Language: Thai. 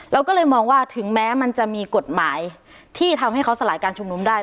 เราก็เลยมองว่าถึงแม้มันจะมีกฎหมายที่ทำให้เขาสลายการชุมนุมได้